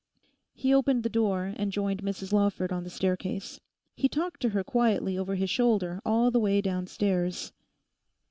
He opened the door and joined Mrs Lawford on the staircase. He talked to her quietly over his shoulder all the way downstairs.